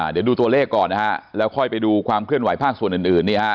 เดี๋ยวดูตัวเลขก่อนนะฮะแล้วค่อยไปดูความเคลื่อนไหภาคส่วนอื่น